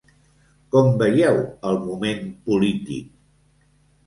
Com veieu el moment polític?